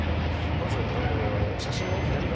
まず写真の左側